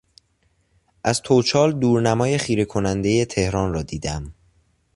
از توچال دورنمای خیره کنندهی تهران را دیدم.